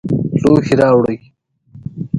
لوښي راوړئ